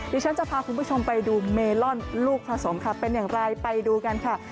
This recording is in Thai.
ดิฉันจะพาคุณผู้ชมไปดูเมลอนลูกผสมค่ะเป็นอย่างไรไปดูกันค่ะ